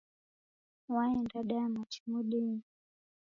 Waenda daya machi modenyi